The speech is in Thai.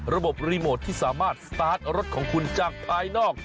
ระบบรีโมทที่สามารถสตาร์ทรถของคุณจากภายนอก